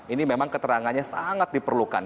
ini memang keterangannya sangat diperlukan